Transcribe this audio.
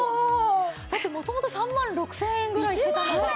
だって元々３万６０００円ぐらいしてたのが。